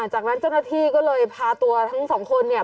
จากนั้นเจ้าหน้าที่ก็เลยพาตัวทั้งสองคนเนี่ย